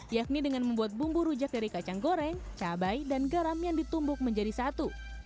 yakni dengan membuat bumbu rujak dari kacang goreng cabai dan garam yang ditumbuk menjadi satu